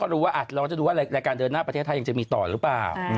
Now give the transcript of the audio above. รู้ว่าเราจะดูว่ารายการเดินหน้าประเทศไทยยังจะมีต่อหรือเปล่า